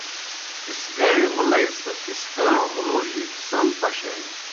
اِسکاݨیْ مُلئی سہ اِسکاݨوْ مُلوجیْ سم پشانیْ۔